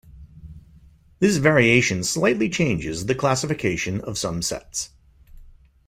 This variation slightly changes the classification of some sets.